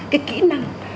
cái kỹ năng